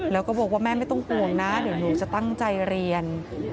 แล้วก็บอกว่าแม่ไม่ต้องห่วงนะเดี๋ยวหนูจะตั้งใจเรียน